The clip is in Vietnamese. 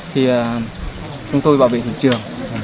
thì chúng tôi bảo vệ thị trường